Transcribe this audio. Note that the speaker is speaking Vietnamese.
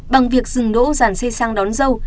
bằng việc dừng đỗ dàn xe sang đón dâu